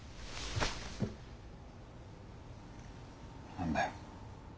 何だよ。